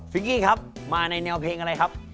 กี้ครับมาในแนวเพลงอะไรครับ